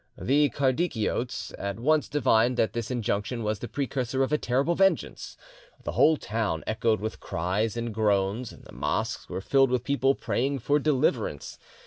The Kardikiotes at once divined that this injunction was the precursor of a terrible vengeance: the whole town echoed with cries and groans, the mosques were filled with people praying for deliverance.